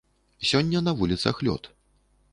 Сёння на вуліцах лёд.